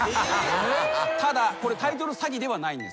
ただこれタイトル詐欺ではないんです。